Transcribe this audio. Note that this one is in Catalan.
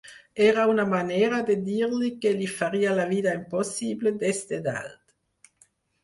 Era una manera de dir-li que li faria la vida impossible des de dalt.